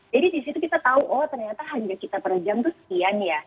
jadi disitu kita tahu oh ternyata harga kita per jam itu sekian ya